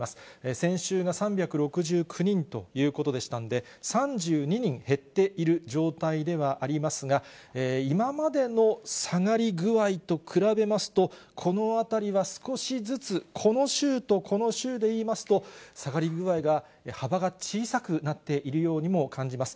先週の３６９人ということでしたので、３２人減っている状態ではありますが、今までの下がり具合と比べますと、このあたりは少しずつ、この週とこの週でいいますと、下がり具合が、幅が小さくなっているようにも感じます。